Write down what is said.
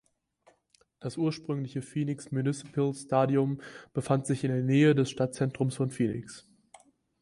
Das ursprüngliche Phoenix Municipal Stadium befand sich in der Nähe des Stadtzentrums von Phoenix.